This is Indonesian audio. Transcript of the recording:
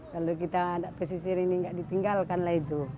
kalau kita ada pesisir ini nggak ditinggalkan lah itu